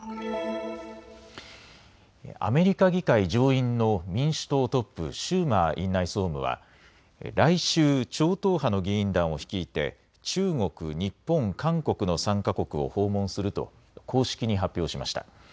アメリカ議会上院の民主党トップ、シューマー院内総務は来週、超党派の議員団を率いて中国、日本、韓国の３か国を訪問すると公式に発表しました。